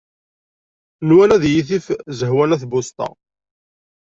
Nwan ad iyi-tif Zehwa n At Buseṭṭa.